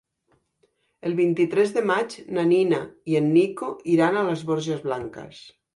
El vint-i-tres de maig na Nina i en Nico iran a les Borges Blanques.